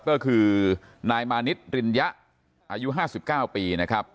ก็คือนายมานิดริญญะอายุ๕๙ปีนะครับ